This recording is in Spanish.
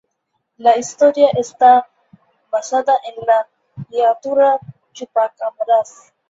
La historia está basada en la criatura chupacabras.